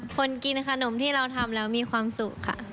คนกินขนมที่เราทำแล้วมีความสุขค่ะ